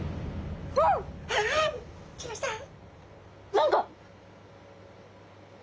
何か。